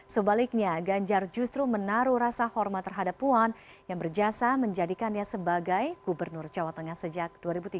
sebaliknya ganjar justru menaruh rasa hormat terhadap puan yang berjasa menjadikannya sebagai gubernur jawa tengah sejak dua ribu tiga belas